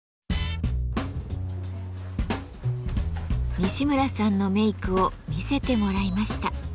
西村さんのメークを見せてもらいました。